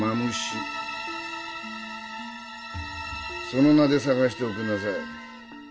その名で捜しておくんなさい。